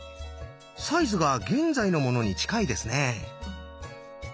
サイズが現在のものに近いですね。